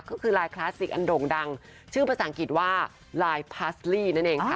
ก็คือลายคลาสสิกอันโด่งดังชื่อภาษาอังกฤษว่าลายพาสลี่นั่นเองค่ะ